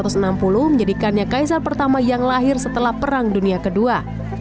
kaisar naruhito menjadikannya kaisar yang terakhir setelah perang dunia kedua